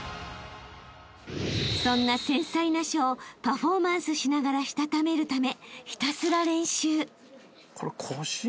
［そんな繊細な書をパフォーマンスしながらしたためるため］